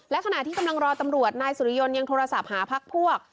และขณะที่กำลังรอตำรวจนายสุริยนต์ยังโทรศัพท์หาพักพวก